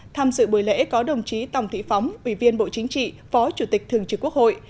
tham dự buổi lễ có đồng chí tòng thị phóng ủy viên bộ chính trị phó chủ tịch thường trực quốc hội